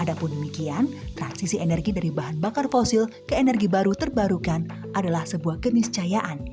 adapun demikian transisi energi dari bahan bakar fosil ke energi baru terbarukan adalah sebuah keniscayaan